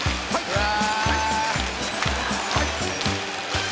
うわ。